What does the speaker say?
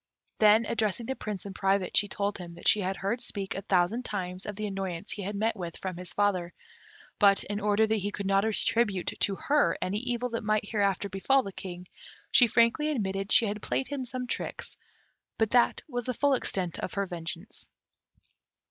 Then, addressing the Prince in private, she told him that she had heard speak a thousand times of the annoyance he had met with from his father; but, in order that he should not attribute to her any evil that might hereafter befal the King, she frankly admitted she had played him some tricks, but that was the full extent of her vengeance.